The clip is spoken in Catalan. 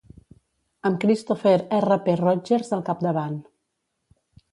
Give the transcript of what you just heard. Amb Christopher R. P. Rodgers al capdavant.